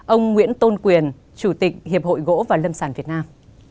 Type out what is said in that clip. ông nguyễn tôn quyền chủ tịch hiệp hội gỗ và lâm sản việt nam